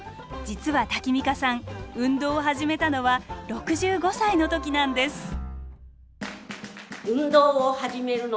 実はタキミカさん運動を始めたのは６５歳の時なんです！